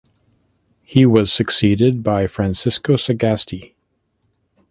He was succeeded by Francisco Sagasti.